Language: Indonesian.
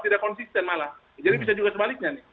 tidak konsisten malah jadi bisa juga sebaliknya nih